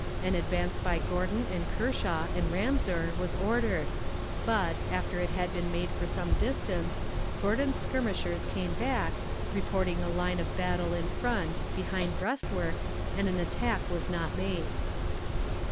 An advance by Gordon and Kershaw and Ramseur was ordered, but, after it had been made for some distance, Gordon's skirmishers came back, reporting a line of battle in front, behind breastworks, and an attack was not made.